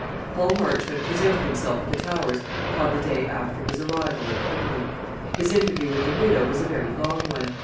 Paul Marchmont presented himself at the Towers upon the day after his arrival at Kemberling. His interview with the widow was a very long one.